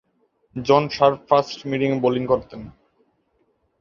জন Sharp fast medium bowling করতেন।